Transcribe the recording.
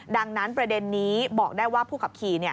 ดังนั้นประเด็นนี้บอกได้ว่าผู้ขับขี่